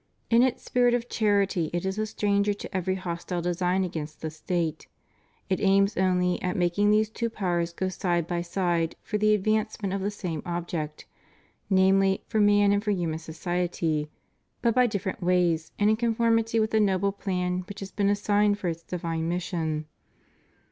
In its spirit of charity it is a stranger to every hostile design against the State. It aims only at making these two powers go side by side for the advancement of the same object, namely, for man and for human society, but by different ways and in conformity with the noble plan which has been assigned for its divine mission.